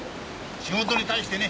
仕事に対してね